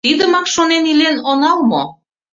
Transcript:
Тидымак шонен илен онал мо?